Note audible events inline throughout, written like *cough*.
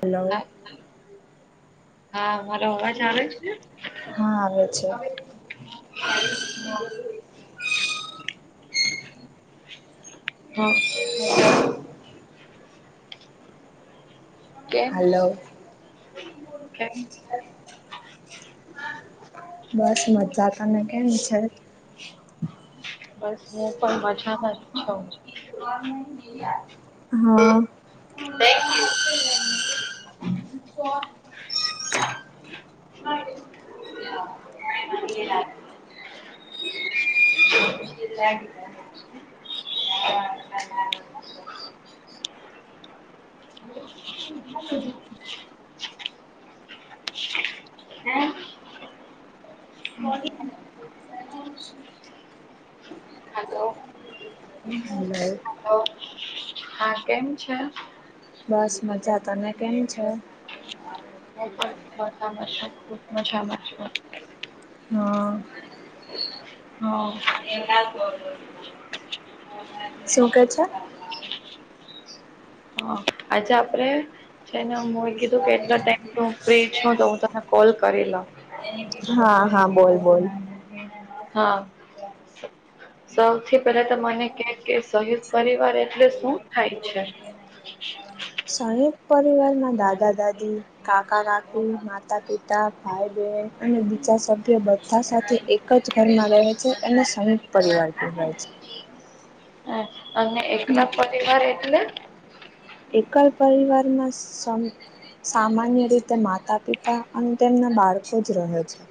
Hello. હા હા મારો અવાજ આવે છે? હા, આવે છે. હા. કેમ, હલો કેમ? બસ મજા તને કેમ છે? બસ હું પણ મજામાં જ છું. હા. *inaudible* *inaudible* એલા ની. *inaudible* *inaudible* *inaudible* Hello hello. હલો. હા, કેમ છે? બસ મજા, તને કેમ છે? હું પણ મજામાં છું, ખુબ મજામાં છું. હા. હા શું કે છે? હ, આજે આપડે છે ને હું એ કીધું કેટલા ટાઈમથી હું ફ્રી છું તો હું તને કોલ કરી લઉ. હા હા બોલ બોલ. હા. સૌથી પહેલા તો મને કે કે શહીદ પરિવાર એટલે શું થાય છે *unintelligible* શહેદ પરિવારમાં દાદા દાદી કાકા રાકુ માતા પિતા ભાઈ બહેન અને બીજા સભ્ય બધા સાથે ચ્છ ઘરમાં રહે છે અને સ પરિવાર પણ રહે છે હ અને એક લાખ પરિવાર એટલે એકલ પરિવારમાં સામાન્ય રીતે માતા પિતા અને તેમના બાળકો જ રહે છે ય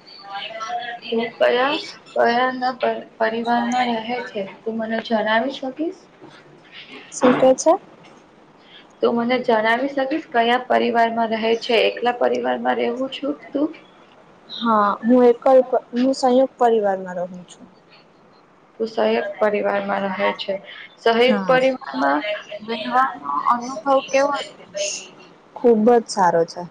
તું કયા કયાના પર પરિવારમાં રહે છે તું મને જણાવી શકીશ શું કે છે તું મને જણાવી શકીશ કયા પરિવારમાં રહે છે એકલા પરિવારમાં રહેવું છું તું હા હું એક હું સંયુક્ત પરિવારમાં રહું છું સહક પરિવારમાં રહે છે સહક હા પરિવારમાં વ અ હ કેવું ખુબ જ સારો છે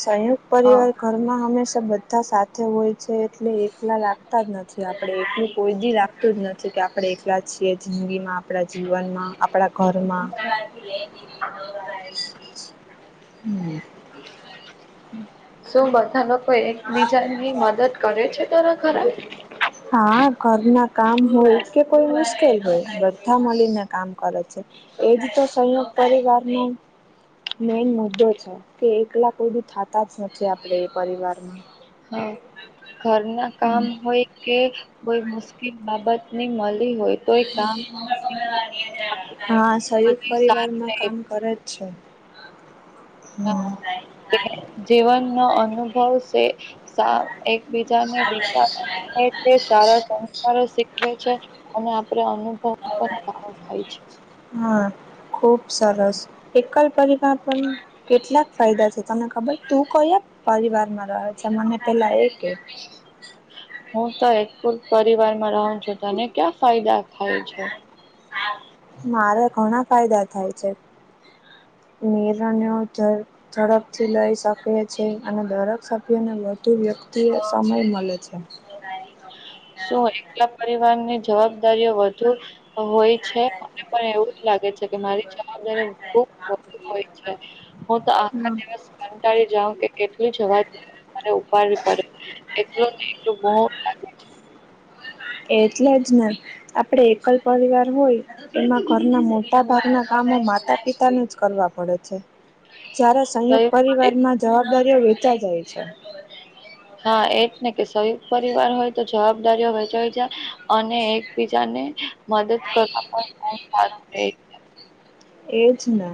સંયુક્ત હા પરિવાર ઘર માં હંમેશા બધા સાથે હોય છે એટલે એકલા લાગતા જ નથી આપડે એકલું કોઈ બી રાખતું જ નથી કે આપણે એલા છીએ જિંદગીમાં આપણા જીવન આપ ઘરમાં શું બધા લોકો એકબીજાની મદદ કરે છે તરા ઘરા હા ઘર ના કામ હોય કે કોઈ મુશ્કેલ હોય બધા મળીને કામ કરે છે એજ તો સંયુક્ત પરિવાર ન મેન મુદ્દો છે કે એકલા કોઈ બી થતા જ નથી આપણે એ પરિવારમાં હા ઘર ના કામ હમ. હોય કે કોઈ મુશ્કેલ બાબત ની મળી હોય તોય કામ હા સંયુક્ બધું સારું પરિવારમાં રહે કામ કરે જ છે હમ જીવન નો અનુભવશે સા એકબીજાને વિચાર એ સારા સંસ્કારો શીખવે છે અને આપડ અનુભવ પણ સારો થાય છે હા ખુબ સરસ એકલ પરી પણ કેટલાક ફાયદા છે તમને ખબર તું કયા પરિવાર માં રહે છે મને પેલા એ કે હું તો એકલ પરિવારમાં રહ છું તને ક્યાં ફાયદા થાય છે મારે ઘણા ફાયદા થાય છે અમરને ચાર ઝડપથી લઈ શકે છે અને દરેક સભ્યને વધુ વ્યક્તિ એ સમય મળે છે શું એકલા પરિવારની જવાબદારીઓ વધ હોય છે મને પણ એવું જ લાગે છે કે મારી જવાબદારી હોય છે હું તો આખા હમ દિવસ કર જાાવ કે કેટલી જવાતરે ઉપાડવી પડે એટલું ન એટલું બ એટલે જ ને આપડે એકલ પરિવાર હોય એમાં ઘરના મોટા ભાગના કામો માતા પિતાને જ કરવા પડે છે જ્યારે સંયુક્ત શરીર માટે પરિવાર માં જવાબદારીઓ વેચા જાય છે હા એ જ ને કે સયુક્ત પરિવાર હોય તો જવાબદારીઓ વહેચાઈ જાય અને એકબીજાને મદદ કરવા બહુ સારું હમ રહે છે. એજ ને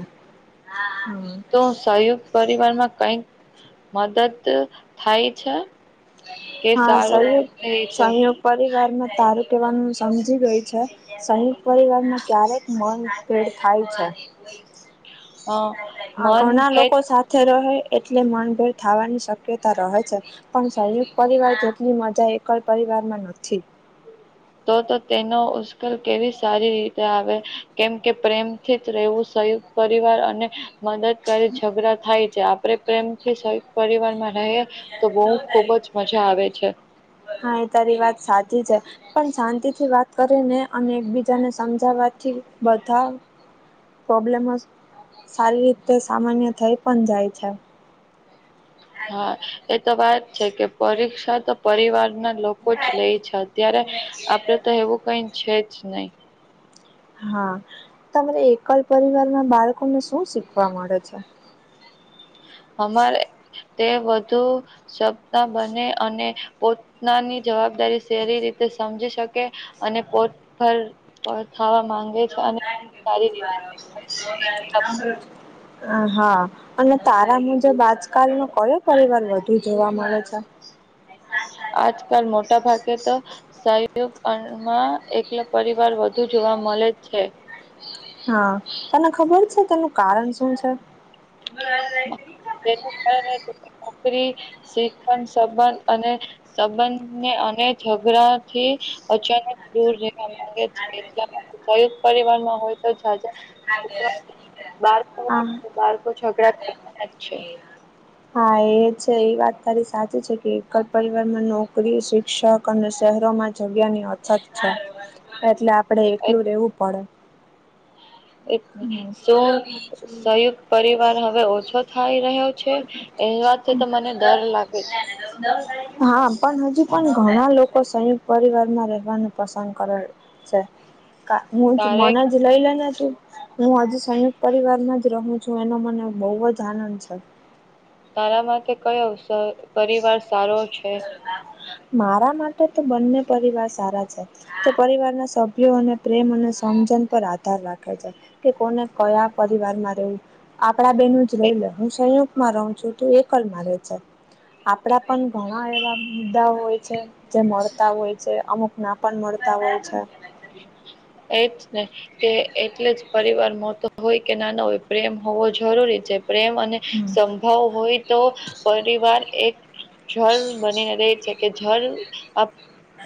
હમ તો સયુક્ પરિવાર માં કઈક મદદ થાય છે કે હા સારું સંગ રહે છે સંયોગ પરિવારમાં તારું કહેવાનું સમજી ગય છે સહિત પરિવારને ક્યારેક મ ભેડ થાય છે અ ઘણા મનભેદ લોકો સાથે રહે એટલે મનભેર થવાની શક્યતા રહે છે. પણ સંયુ પરિવાર જેટલી મજા એકલ પરિવારમાં છે. તો તો તેનો ઉશ્કેલ કેવી સારી રીતે આવે કેમ કે પ્રેમથી જ રહેવું સંયુક્ત. પરિવાર અને મદદ કરી ઝઘડા થાય છે આપે પ્રેમથી. પરિવાર માં રહે તો બહુ ખુબ જ મજા આવે છે. હા એ તારી વાત સાચી છે. પણ શાંતિથી વાત કરીને અને એકબીજાને સમજાવવાથી બધા. પ્રોબ્લેમસ સારી રીતે સામાન્ય થઈ પણ જાય છે. હા એ તો વાત છે કે પરીક્ષા તો પરિવારના લોકો. લોકો જ લઈ છે અત્યારે આપડે તો એવું કઈ છે જ નહી. હા તમારે એકલ પરિવાર ના બાળકોને શું શીખવા મળે છે. અમારે તે બધું. સપના બને અને પોતાની જવાબદારી સેરી રીતે સમજી શકે. અને પોટ પર ખાવા માંગે ન છે અને તારી કે સારી રીતે કરે ભૂવા છે. *unintelligible* હા અને તારા મુજબ આજકાલ નો કયો પરિવાર વધુ જોવા મળે છે. આજકાલ મોટા ભાગે તો. સહયોગમાં એકલો પરિવાર વધુ જોવા મળે છે. હા તને ખબર છે તેનું કારણ શું છે. તેના કારણે નોકરી શીખણ સંબંધ અને. સંબંધને અને ઝઘડા થી અચાનક દૂર રહેવા માંગે છે. એટલા જયુ પરિવાનમાં હોય તો જજ. શુક બાર હા, બાર હા એજ છે એ વાત તારી સાચી છે કે. પરરમાં નોકરી શિક્ષક અને શહેરો માં જગ્યાની. અચ્છા એટલે આપડે એકલું રેવું પડે. શું સંયુક્ત પરિવાર હવે ઓછો થાય રહ્યો છે. એની વાત થ તો મને ડર લાગે છે. હા પણ હજુ પણ ઘણા લોકો સંયુક્ત પરિવાર માં રહેવાનું પસંદ કરે. હું જ તારે મનજ લઈ લેના છું. હું હજુ સંયુક્ત પરિવાર જ રહું છું એનો મને બહુ જ આનંદ છે. તારામાં કે કઈ અવસર મારા માટે તો બંને પરિવાર સારા છે. તે પરિવારના સભ્યો અને પ્રેમ અને સમજણ પર આધાર રાખે છે. કે કોને કયા પરિવાર માં રહેવું. આપડા બેન જ એ રહી લે હું સંયુક્ગમાં રહું છું તું એકલ માં ર છે. આપડા પણ ઘણા એવા મુદ્દા હોય છે. જે મળતા હોય છે અમુક ના પણ મળતા હોય છે. એજ ને કે એટલે જ. પરિવાર મોટ હોય કે નાના હોય પ્રેમ હોવો જરૂરી છે પ્રેમ અને હમ ભાવ હોય તો પરિવાર એક જળ બની રેહ છે. કે જળ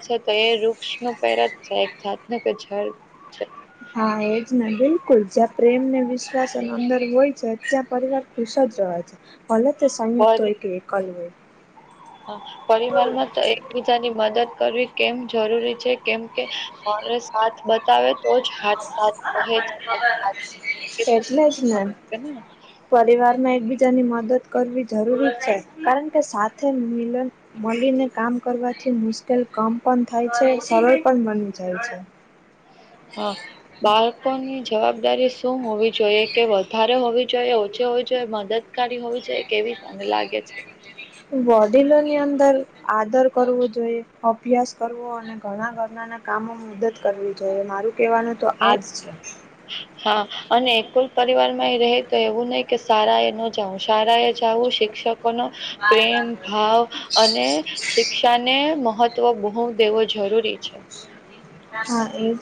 છે તો એ વૃક્ષ ન પેર જ છે. સાતના કે જળ છે. હા એજ ને બિલકુલ જ્યાં પ્રેમ ને વિશ્વાસ અંદર હોય છે ત્યાં પરિવાર્ત. ખુશદ રહ છે ભલતે સંયુક્ત એક એકલ હોય. હ પરિવાર માં તો એકબીજાની મદદ કરવી કેમ જરૂરી છે. કેમ કે સાથ બતાવે તો જ. હાથ સાથહેજ. પરિવાર માં એકબીજાની મદદ કરવી જરૂરી છે કારણ કે સાથે મિલન. મળીને કામ કરવાથી મુશ્કેલ કમ પણ થાય છે સરળ પણ બની જાય છે. હા બાળકોની જવાબદારી. શું હોવી જોઈએ કે વધારે હોવી જોઈએ ઓછી હોવી જોઈએ મદદકારી હોવી જોઈએ કેવી. અને લાગે છે. વડીલોની અંદર આદર કરવો જોઈએ અભ્યાસ કરવો. ઘણા ઘરના ના કામોમાં મદદ કરવી જોઈએ મારું કેહેવાનું તો હે, આજ છે. *inaudible* હા અને એકુલ પરિવાર માં રહે તો એવું નહી કે શાળા એ ન જાવું શાળા એ જાવું શિક્ષક. બનો પ્રેમ ભાવ અને શિક્ષા. ને મહત્વ બોહ દેવું જરૂરી છે. હા એજ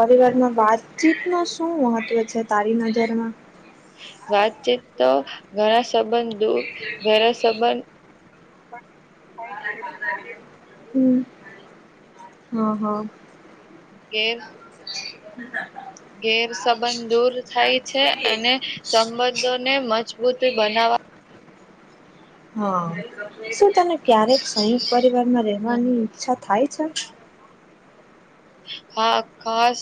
પરિવારમાં વાતચીત નું શું મહત્વ છે તારી નજરમાં. વાતચીત તો ઘણા સંબંધ દુઃખ ઘણા સંબંધ. હ. હમ હમ હ. કે. હ. ગેર સબંધ દૂર થાય છે અને સંબંધોને મજબૂત બનાવા હા શું તને ક્યારે. કઈ પરિવાર માં હમ રહેવાની ઈચ્છા થાય છે. હા ખાસ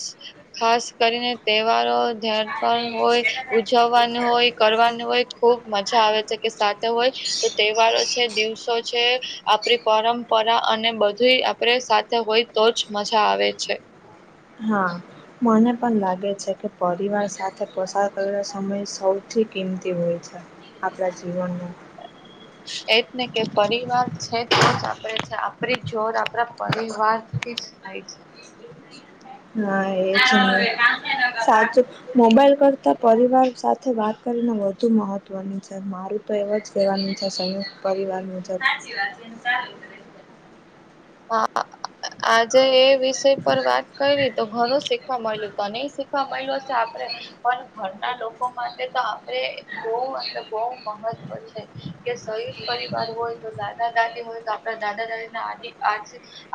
ખાસ કરીને તહેવારો. ધ્યાન પણ હોય ઉજવવાનું હોય કરવાનું હોય ખૂબ મજા આવે છે કે સાથે હોય. તો તહેવાર. છે દિવસો છે આપડી પરંપરા અને બધું આપડે સાથે હોય તોજ મજા આવે. છે. હા. મને પણ લાગે છે કે પરિવાર સાથે પસાર કરેલો સમય સૌથી કિંમતી હોય છે. આપણા જીવનમાં. એ જ ને કે પરિવાર છે તો જ આપણે આપણી જોર આપણા પરિવારથી. થઈ છે. હા એજ સાચુ મોબાઈલ કરતા પરિવાર સાથે વાત કરીને વધુ મહત્વની છે. મારું તો એવ જ કહેવાનું છે સંયુક્ત પરિવારનું. હા. આજે એ વિષય પર વાત કરી તો ઘણું શીખવા મળલ્યું તો નહી શીખવા મળ્યું હશે આપડે. પણ ઘરના લોકો માટે તો આપડે બોહ એ બોહ મહત્વ છે. કે સંયુક્ત પરિવાર હોય તો દાદા દાદી હોય તો આપડા દાદા દાદી ના આદ. આ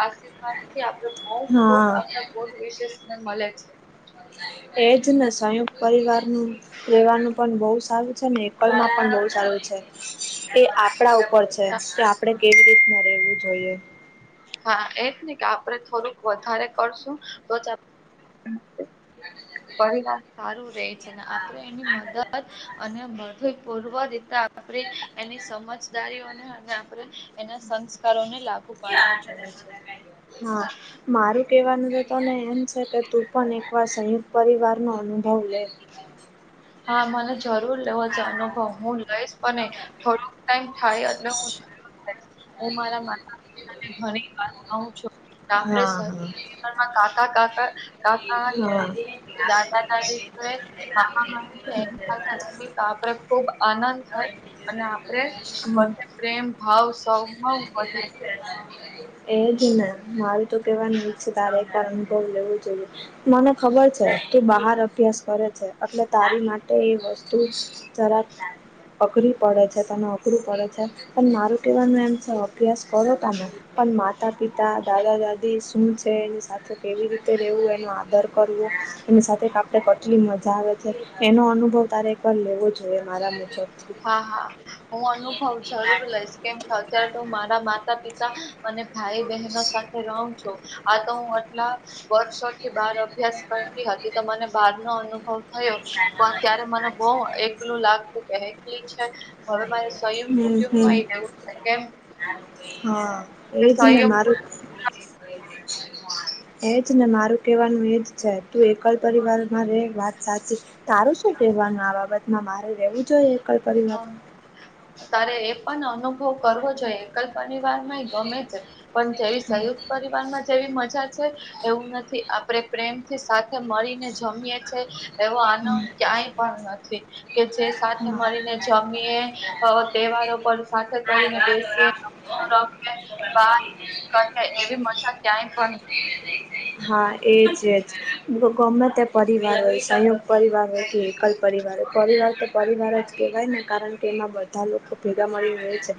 આશીર્વાદ થી આપડે. હા. બો વિશેષ મળે છે. એજ ને સંયુક્ત પરિવારનું. લેવાનું પણ બહુ સારું છે ને એકલમાં પણ બહુ સારું છે એ આપડા ઉપર છે. એજ કે આપડે કેવી રીતના રેવું જોઈએ. હા એજ નહી કે આપડે થોડુંક વધારે કરશું તો જ પરીવાર સારું રે છે ને આપડે એની મદદ અને. પૂર્વ રતા આપણી એની સમજદારીઓ. અને આપણે એના સંસ્કારોને લાગુ પાડવા જોઈએ છે. હા. મારું કેવાનું તોને એમ છે કે તું પણ એકવાર સંયુક્ત પરિવાર નો અનુભવ લે. હા મલે જ- જરૂર લેવો છે અનુભવ હું લઈશ અને થોડોક ટાઈમ થાય એટલે હું જ હું મારા માતા પિતાને ઘણી વાર કઉ છું. હા હા માં કાકા કાકા કાકા હા. અને દાદા દાદી તો મામા મમી એની સાથે તો આપડે ખુબ આનંદ થાય અને આપડે હા. વધ પ્રેમ ભાવ સૌ વધે. એ જ ને મારું તો કેવાનું છે તારે એક કારણ બહ લેવું જોઈએ. મને ખબર છે કે બહાર અભ્યાસ કરે છે એટલે તારી માટે તે એ વસ્તુ જરા અઘરી પડે છે તમે અઘરું પડે છે પણ મારું કહેવાનું એમ છે અભ્યાસ કરો તમે. પણ માતા પિતા દાદા દાદી શું છે એની સાથે કેવી રીતે રહેવું એનો આદર કરવો એની સાથે કાપ એ કેટલી મજા આવે છે એનો અનુભવ તારે એકવાર લેવો જોઈએ મારા મુજબ. હા હા હું અનુભવ જરૂર લઈશ કેમ કે અત્યારે તો મારા માતા પિતા અને ભાઈ બહેનો સાથે રહું છું આ તો હું આટલા વર્ષો થી બાર અભ્યાસ કરતી હતી તો મને બાર નો અનુભવ થયો તો અત્યારે મને બહ એકલું લાગતું કે એકલી છે. હવે મારે સ્વયં હમ કુટુંબ હમ માં એ રહેવું કેમ હા કે એજને સંયમ મારૂ કુટુંબ એજ ને મારું કહેવાનું એજ છે તું એકલ પરિવારમાં ર વાત સાચી તારું શું કહેવાનું આ બાબતમાં મારે રેવું જોઈએ એકલ પરિવારમાં હ તારે એ પણ અનુભવ કરવો જોઈએ સલ પરિવાર માં ગમે છે પણ જેવી હમ સયુક્ત પરિવાર માં જેવી મજા છે. એવું નથી આપડણે પ્રેમથી સાથે મળીને જમીએ છે. એવો આનંદ ક્યાંય પણ નથી કે જે સાથે મળીને જમીએ તહેવારો પર સાથે કરીને બેસીએ. વાત કરે એવી મજા ક્યાંય પણ હા એજજ ગમે તે પરિવાર હોય સંયોક્ત પરિવાર હોય કે પરિવારો પરિવાર તો પરિવાર જ કેહેવાય ને કારણ કે એમાં બધા લોકો ભેગા મળી રહે છે.